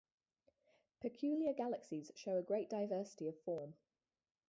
Peculiar galaxies show a great diversity of form.